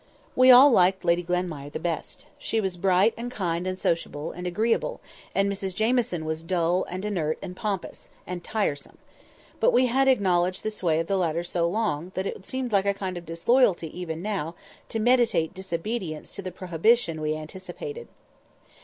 We all liked Lady Glenmire the best. She was bright, and kind, and sociable, and agreeable; and Mrs Jamieson was dull, and inert, and pompous, and tiresome. But we had acknowledged the sway of the latter so long, that it seemed like a kind of disloyalty now even to meditate disobedience to the prohibition we anticipated.